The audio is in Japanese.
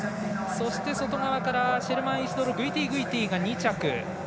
そして、外側からシェルマンイシドロ・グイティグイティが２着。